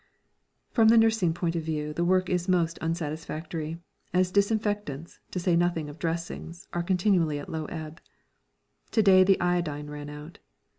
From the nursing point of view the work is most unsatisfactory, as disinfectants, to say nothing of dressings, are continually at low ebb. To day the iodine ran out.